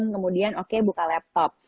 kemudian oke buka laptop